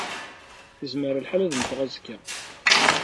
Yezmer lḥal ad mmteɣ azekka.